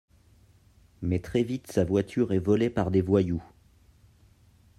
Mais très vite sa voiture est volée par des voyous.